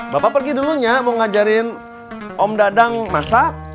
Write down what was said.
bapak pergi dulunya mau ngajarin om dadang masak